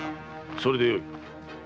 それでよい。